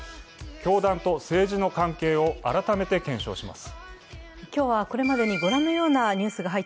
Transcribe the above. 教団と政治の関係を改めて検証します。